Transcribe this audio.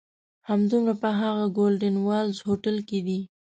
همدومره په هغه "ګولډن والز" هوټل کې دي.